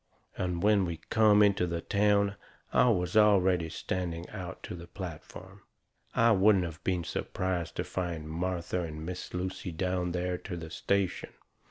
And when we come into the town I was already standing out onto the platform. I wouldn't of been surprised to find Martha and Miss Lucy down there to the station.